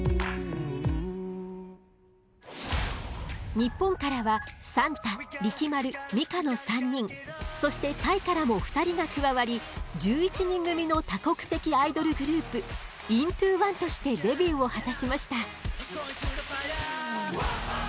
日本からはサンタリキマルミカの３人そしてタイからも２人が加わり１１人組の多国籍アイドルグループ「ＩＮＴＯ１」としてデビューを果たしました。